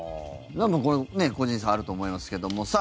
個人差があるとは思いますけども。